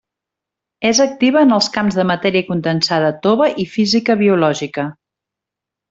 És activa en els camps de matèria condensada tova i física biològica.